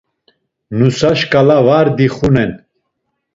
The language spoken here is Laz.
Nusa şǩala var dixunen.